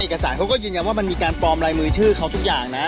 เอกสารเขาก็ยืนยันว่ามันมีการปลอมลายมือชื่อเขาทุกอย่างนะ